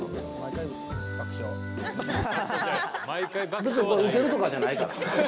さん別に、これウケるとかじゃないから。